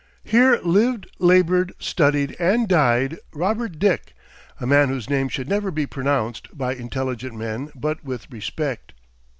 Here lived, labored, studied, and died, Robert Dick, a man whose name should never be pronounced by intelligent men but with respect.